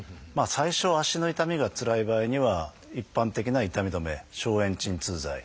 最初足の痛みがつらい場合には一般的な痛み止め消炎鎮痛剤。